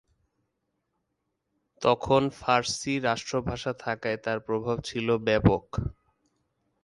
তখন ফারসি রাষ্ট্রভাষা থাকায় তার প্রভাব ছিল ব্যাপক।